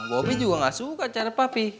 bobi juga gak suka cara papi